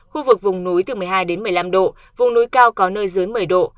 khu vực vùng núi từ một mươi hai đến một mươi năm độ vùng núi cao có nơi dưới một mươi độ